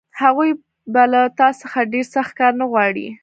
هغوی به له تا څخه ډېر سخت کار نه غواړي